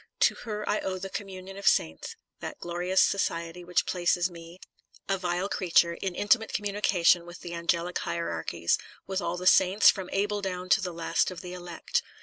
To her I owe the Communion of Saints, that glorious society which places me, a vile creature, in intimate communication with the angelic hierarchies, with all the saints, from Abel down to the last of the elect.